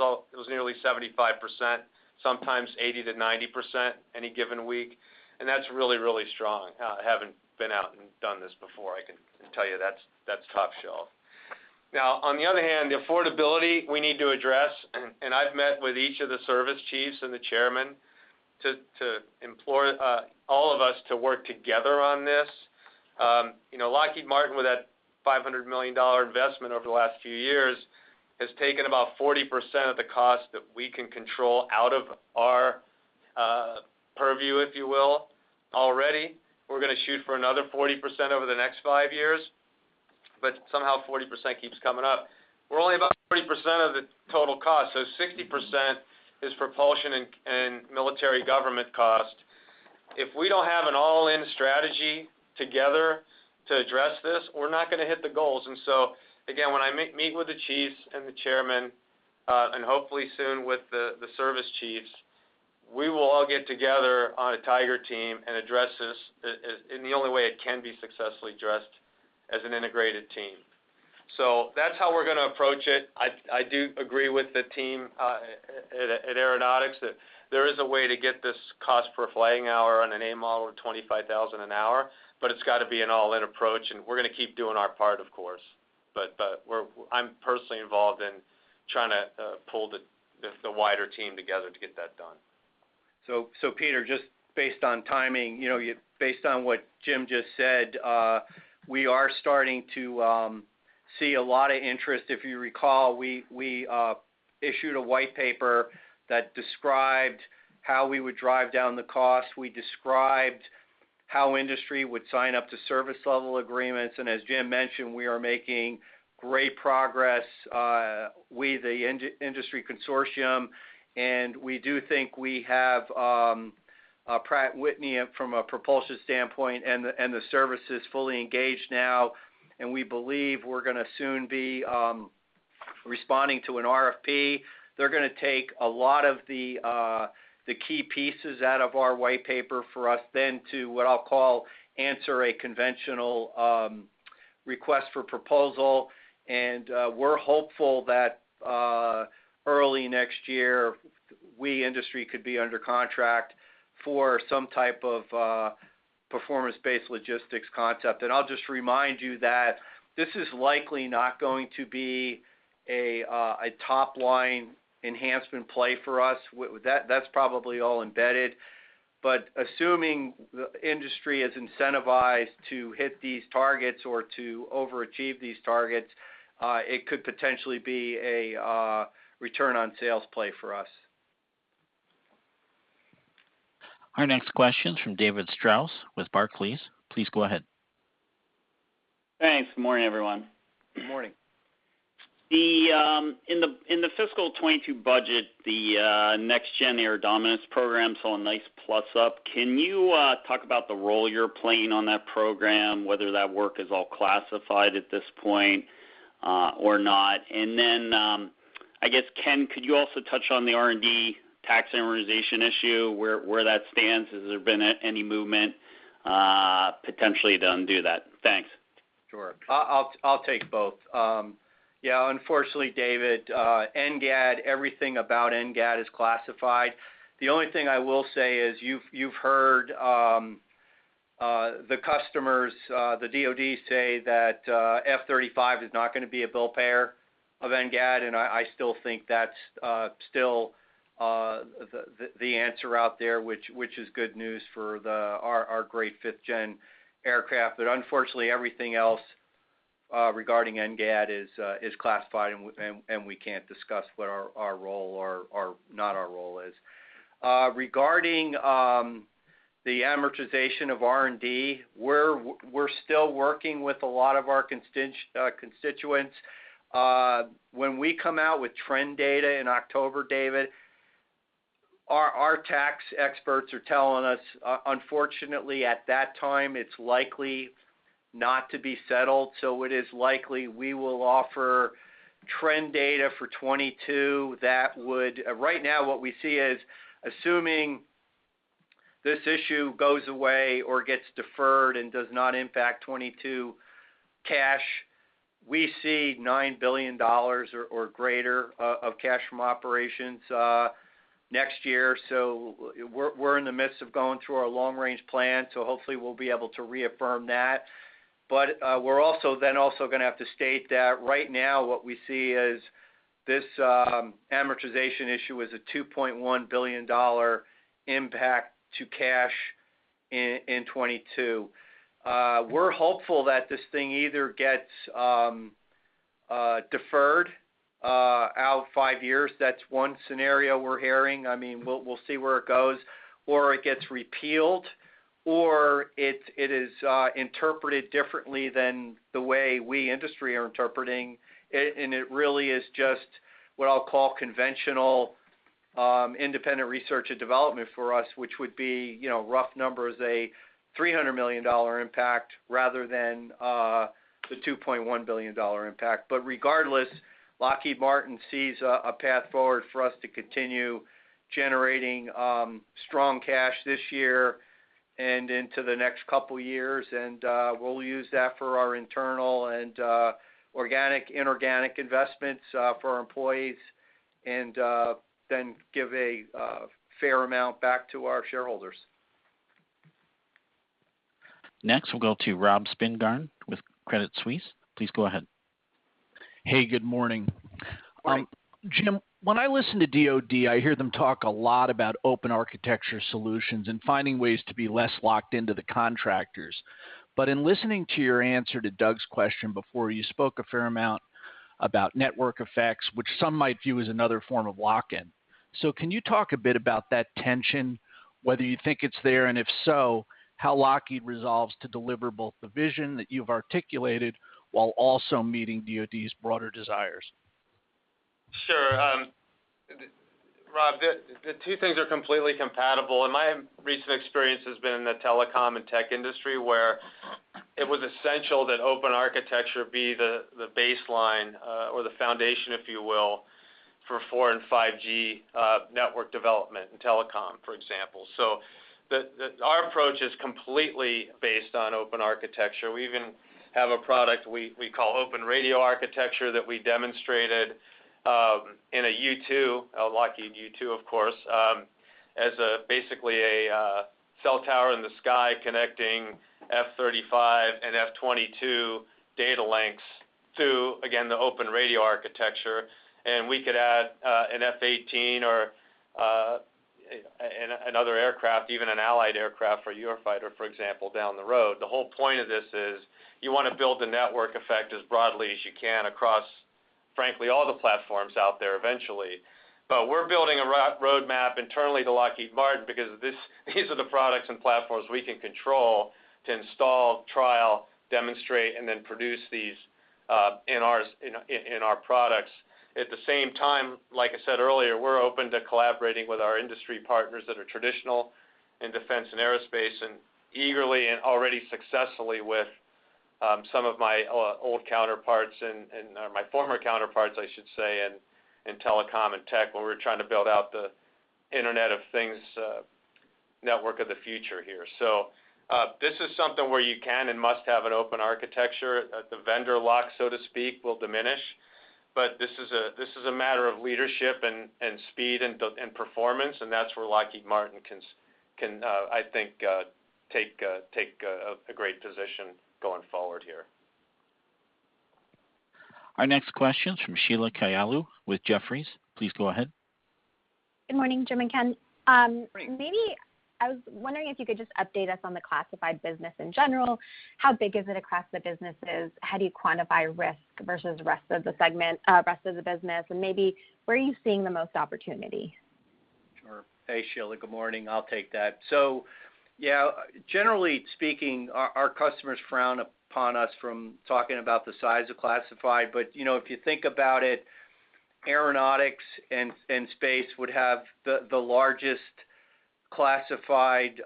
nearly 75%, sometimes 80%-90% any given week, and that's really, really strong. Having been out and done this before, I can tell you that's top shelf. On the other hand, the affordability we need to address, and I've met with each of the service chiefs and the chairman to implore all of us to work together on this. Lockheed Martin, with that $500 million investment over the last few years, has taken about 40% of the cost that we can control out of our purview, if you will, already. We're going to shoot for another 40% over the next five years, but somehow 40% keeps coming up. We're only about 40% of the total cost, so 60% is propulsion and military government cost. If we don't have an all-in strategy together to address this, we're not going to hit the goals. Again, when I meet with the chiefs and the chairman, and hopefully soon with the service chiefs, we will all get together on a tiger team and address this in the only way it can be successfully addressed, as an integrated team. That's how we're going to approach it. I do agree with the team at Aeronautics that there is a way to get this cost per flying hour on an A-model of $25,000 an hour, but it's got to be an all-in approach, and we're going to keep doing our part, of course. I'm personally involved in trying to pull the wider team together to get that done. Peter, just based on timing, based on what Jim just said, we are starting to see a lot of interest. If you recall, we issued a white paper that described how we would drive down the cost. We described how industry would sign up to service level agreements, and as Jim mentioned, we are making great progress. We, the industry consortium, and we do think we have Pratt & Whitney from a propulsion standpoint, and the services fully engaged now, and we believe we're going to soon be responding to an RFP. They're going to take a lot of the key pieces out of our white paper for us then to, what I'll call, answer a conventional request for proposal. We're hopeful that early next year, we industry could be under contract for some type of performance-based logistics concept. I'll just remind you that this is likely not going to be a top-line enhancement play for us. That's probably all embedded. Assuming the industry is incentivized to hit these targets or to overachieve these targets, it could potentially be a return on sales play for us. Our next question is from David Strauss with Barclays. Please go ahead. Thanks. Morning, everyone. Morning. In the FY 2022 budget, the Next Gen Air Dominance program saw a nice plus-up. Can you talk about the role you're playing in that program, whether that work is all classified at this point or not? I guess, Ken, could you also touch on the R&D tax amortization issue, where that stands? Has there been any movement potentially to undo that? Thanks. Sure. I'll take both. Unfortunately, David, NGAD, everything about NGAD is classified. The only thing I will say is you've heard the customers, the DoD, say that F-35 is not going to be a bill payer of NGAD. I still think that's still the answer out there, which is good news for our great fifth-gen aircraft. Unfortunately, everything else regarding NGAD is classified. We can't discuss what our role or not our role is. Regarding the amortization of R&D, we're still working with a lot of our constituents. When we come out with trend data in October, David, our tax experts are telling us, unfortunately at that time, it's likely not to be settled. It is likely we will offer trend data for 2022. Right now, what we see is assuming this issue goes away or gets deferred and does not impact 2022 cash, we see $9 billion or greater of cash from operations next year. We're in the midst of going through our long-range plan, hopefully we'll be able to reaffirm that. We're also then going to have to state that right now what we see is this amortization issue is a $2.1 billion impact to cash in 2022. We're hopeful that this thing either gets deferred out five years, that's one scenario we're hearing, we'll see where it goes, or it gets repealed, or it is interpreted differently than the way we industry are interpreting it, and it really is just what I'll call conventional independent research and development for us, which would be, rough numbers, a $300 million impact rather than the $2.1 billion impact. Regardless, Lockheed Martin sees a path forward for us to continue generating strong cash this year and into the next couple of years, and we'll use that for our internal and organic, inorganic investments for our employees, and then give a fair amount back to our shareholders. Next, we'll go to Robert Spingarn with Credit Suisse. Please go ahead. Hey, good morning. Good morning. Jim, when I listen to DoD, I hear them talk a lot about open architecture solutions and finding ways to be less locked into the contractors. In listening to your answer to Doug's question before, you spoke a fair amount about network effects, which some might view as another form of lock-in. Can you talk a bit about that tension, whether you think it's there, and if so, how Lockheed resolves to deliver both the vision that you've articulated while also meeting DoD's broader desires? Sure. Rob, the two things are completely compatible. My recent experience has been in the telecom and tech industry, where it was essential that open architecture be the baseline, or the foundation, if you will, for 4G and 5G network development in telecom, for example. Our approach is completely based on open architecture. We even have a product we call Open Radio Architecture that we demonstrated in a U-2, a Lockheed U-2, of course, as basically a cell tower in the sky connecting F-35 and F-22 data links to, again, the Open Radio Architecture. We could add an F-18 or another aircraft, even an allied aircraft or Eurofighter, for example, down the road. The whole point of this is you want to build the network effect as broadly as you can across, frankly, all the platforms out there eventually. We're building a roadmap internally to Lockheed Martin because these are the products and platforms we can control to install, trial, demonstrate, and then produce these in our products. At the same time, like I said earlier, we're open to collaborating with our industry partners that are traditional in defense and aerospace, and eagerly and already successfully with some of my old counterparts, and my former counterparts, I should say, in telecom and tech, where we're trying to build out the Internet of Things network of the future here. This is something where you can and must have an open architecture. The vendor lock, so to speak, will diminish. This is a matter of leadership and speed and performance, and that's where Lockheed Martin can, I think, take a great position going forward here. Our next question's from Sheila Kahyaoglu with Jefferies. Please go ahead. Good morning, Jim and Ken. Good morning. I was wondering if you could just update us on the classified business in general. How big is it across the businesses? How do you quantify risk versus the rest of the business? Maybe where are you seeing the most opportunity? Sure. Hey, Sheila, good morning. I'll take that. Yeah, generally speaking, our customers frown upon us from talking about the size of classified, but if you think about it, aeronautics and space would have the largest classified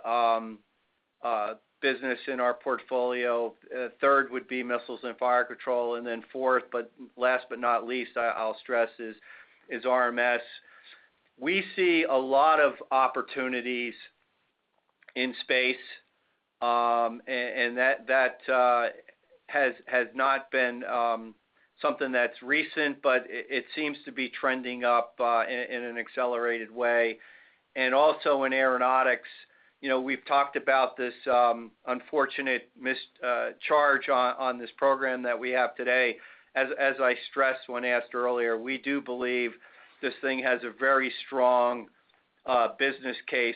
business in our portfolio. Third would be missiles and fire control, and then fourth, but last but not least, I'll stress, is RMS. We see a lot of opportunities in space, and that has not been something that's recent, but it seems to be trending up in an accelerated way. Also in aeronautics, we've talked about this unfortunate missed charge on this program that we have today. As I stressed when asked earlier, we do believe this thing has a very strong business case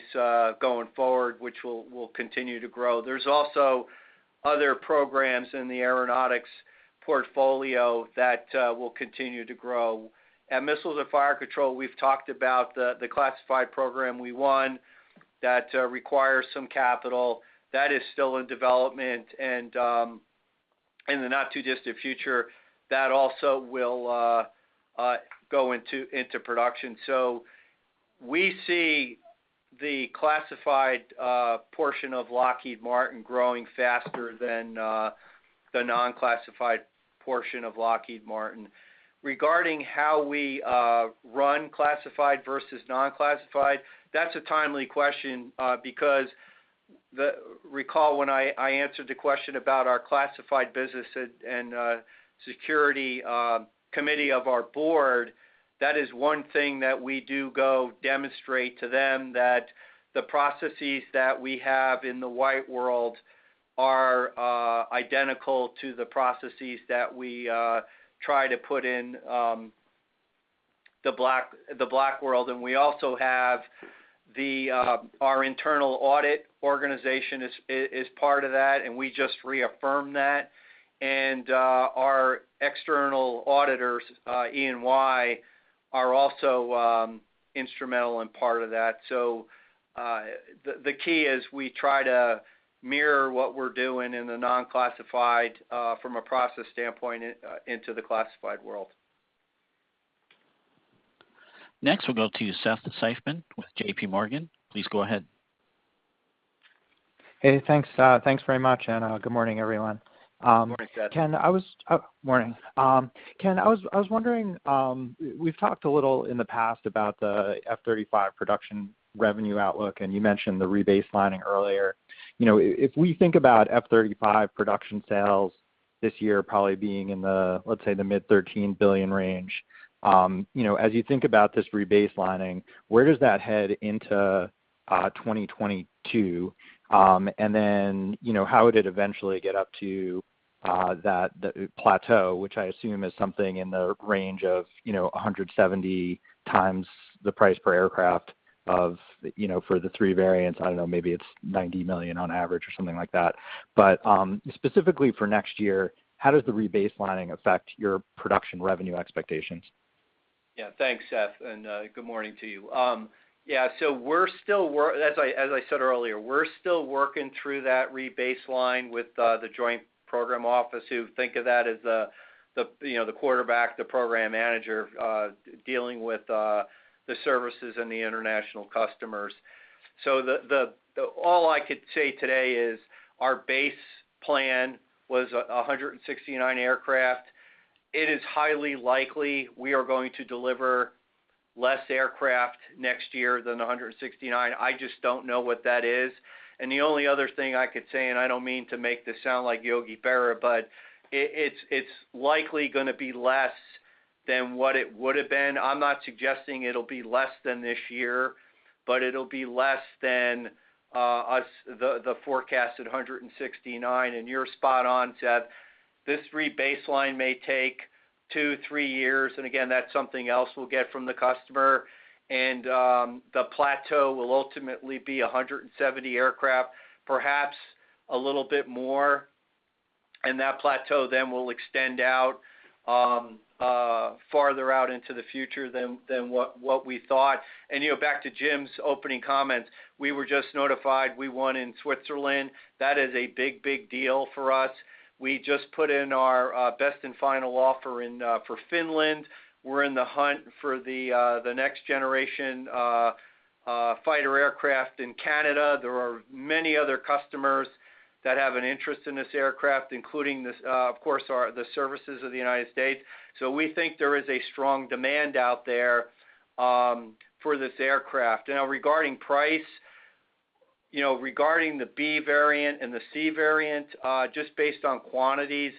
going forward, which will continue to grow. There's also other programs in the aeronautics portfolio that will continue to grow. At missiles and fire control, we've talked about the classified program we won that requires some capital. That is still in development, and in the not-too-distant future, that also will go into production. We see the classified portion of Lockheed Martin growing faster than the non-classified portion of Lockheed Martin. Regarding how we run classified versus non-classified, that's a timely question because recall when I answered the question about our classified business and security committee of our board, that is one thing that we do go demonstrate to them that the processes that we have in the white world are identical to the processes that we try to put in the black world. We also have our internal audit organization is part of that, and we just reaffirm that. Our external auditors, EY, are also instrumental and part of that. The key is we try to mirror what we're doing in the non-classified, from a process standpoint, into the classified world. Next, we'll go to Seth Seifman with JPMorgan. Please go ahead. Hey, thanks very much, and good morning, everyone. Morning, Seth. Morning. Ken, I was wondering, we've talked a little in the past about the F-35 production revenue outlook, and you mentioned the rebaselining earlier. If we think about F-35 production sales this year probably being in the, let's say, the mid $13 billion range. As you think about this rebaselining, where does that head into 2022? How would it eventually get up to that plateau, which I assume is something in the range of 170 times the price per aircraft for the three variants? I don't know, maybe it's $90 million on average or something like that. Specifically for next year, how does the rebaselining affect your production revenue expectations? Yeah. Thanks, Seth, good morning to you. As I said earlier, we're still working through that rebaseline with the joint program office who think of that as the quarterback, the program manager, dealing with the services and the international customers. All I could say today is our base plan was 169 aircraft. It is highly likely we are going to deliver less aircraft next year than 169. I just don't know what that is. The only other thing I could say, and I don't mean to make this sound like Yogi Berra, but it's likely going to be less than what it would've been. I'm not suggesting it'll be less than this year, but it'll be less than the forecasted 169. You're spot on, Seth. This rebaseline may take two, three years, and again, that's something else we'll get from the customer. The plateau will ultimately be 170 aircraft, perhaps a little bit more, and that plateau then will extend out farther out into the future than what we thought. Back to Jim's opening comments, we were just notified we won in Switzerland. That is a big, big deal for us. We just put in our best and final offer in for Finland. We're in the hunt for the next generation fighter aircraft in Canada. There are many other customers that have an interest in this aircraft, including, of course, the services of the United States. We think there is a strong demand out there for this aircraft. Regarding price, regarding the B variant and the C variant, just based on quantities,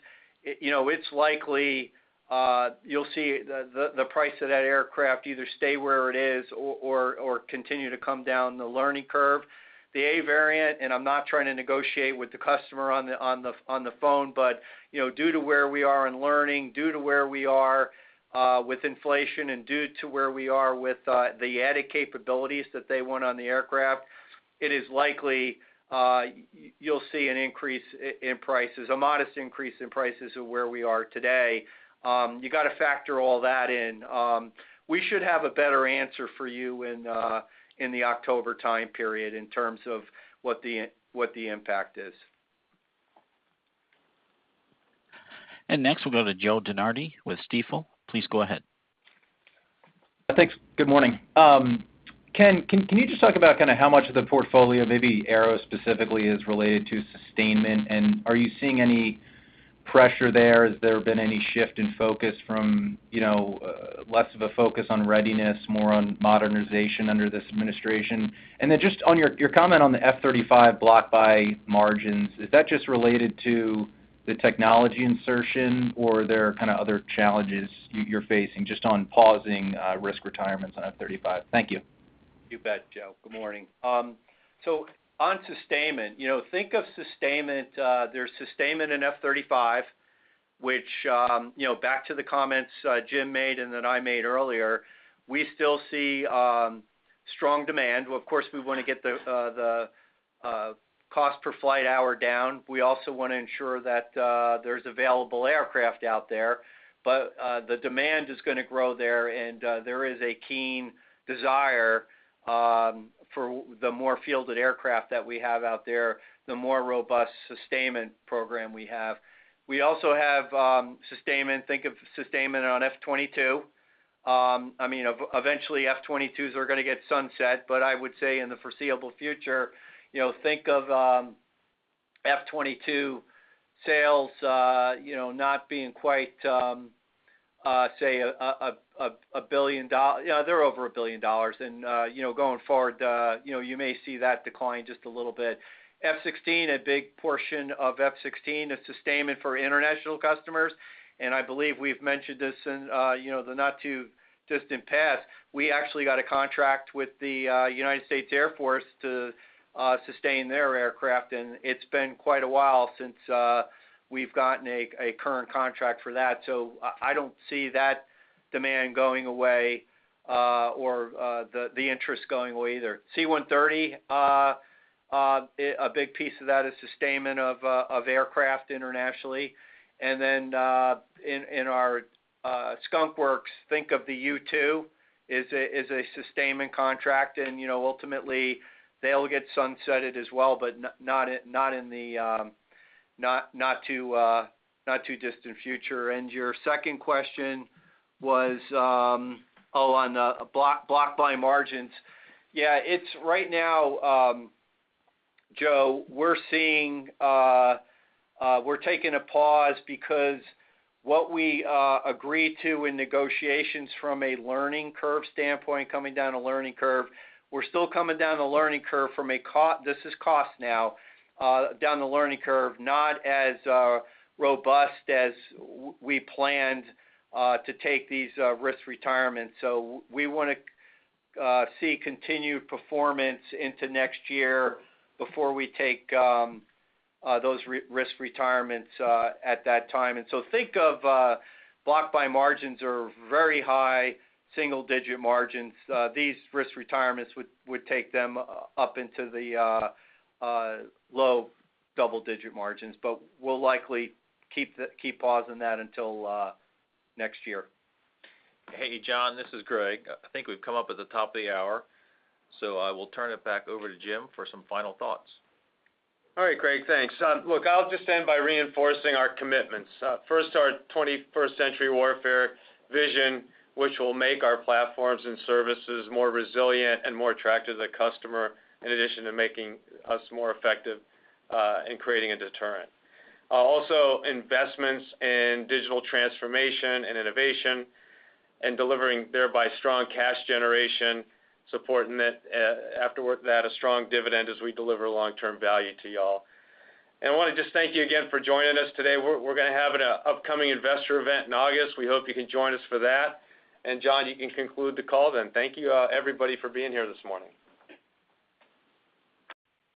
it's likely you'll see the price of that aircraft either stay where it is or continue to come down the learning curve. The A variant, I'm not trying to negotiate with the customer on the phone, due to where we are in learning, due to where we are with inflation, due to where we are with the added capabilities that they want on the aircraft, it is likely you'll see an increase in prices, a modest increase in prices of where we are today. You got to factor all that in. We should have a better answer for you in the October time period in terms of what the impact is. Next, we'll go to Joe DeNardi with Stifel. Please go ahead. Thanks. Good morning. Ken, can you just talk about how much of the portfolio, maybe Aero specifically, is related to sustainment? Are you seeing any pressure there? Has there been any shift in focus from less of a focus on readiness, more on modernization under this administration? Just on your comment on the F-35 block buy margins, is that just related to the technology insertion, or are there other challenges you're facing just on pausing risk retirements on F-35? Thank you. You bet, Joe. Good morning. On sustainment, there's sustainment in F-35, which, back to the comments Jim made and that I made earlier, we still see strong demand. Well, of course, we want to get the cost per flight hour down. We also want to ensure that there's available aircraft out there. The demand is going to grow there, and there is a keen desire for the more fielded aircraft that we have out there, the more robust sustainment program we have. We also have sustainment, think of sustainment on F-22. Eventually F-22s are going to get sunset, but I would say in the foreseeable future, think of F-22 sales over a billion dollars, and going forward, you may see that decline just a little bit. F-16, a big portion of F-16 is sustainment for international customers, and I believe we've mentioned this in the not too distant past. We actually got a contract with the United States Air Force to sustain their aircraft, and it's been quite a while since we've gotten a current contract for that. I don't see that demand going away, or the interest going away either. C-130, a big piece of that is sustainment of aircraft internationally. Then, in our Skunk Works, think of the U-2 is a sustainment contract, and ultimately, they'll get sunsetted as well, but not in the not too distant future. Your second question was on block buy margins. Yeah. Right now, Joe, we're taking a pause because what we agreed to in negotiations from a learning curve standpoint, coming down a learning curve, we're still coming down a learning curve from a cost, this is cost now, down the learning curve, not as robust as we planned to take these risk retirements. We want to see continued performance into next year before we take those risk retirements at that time. Think of block buy margins are very high single-digit margins. These risk retirements would take them up into the low double-digit margins, but we'll likely keep pausing that until next year. Hey, John, this is Greg. I think we've come up at the top of the hour, so I will turn it back over to Jim for some final thoughts. All right, Greg, thanks. Look, I'll just end by reinforcing our commitments. First, our 21st century warfare vision, which will make our platforms and services more resilient and more attractive to the customer, in addition to making us more effective in creating a deterrent. Investments in digital transformation and innovation, and delivering thereby strong cash generation, supporting afterward that a strong dividend as we deliver long-term value to you all. I want to just thank you again for joining us today. We're going to have an upcoming investor event in August. We hope you can join us for that. John, you can conclude the call then. Thank you, everybody, for being here this morning.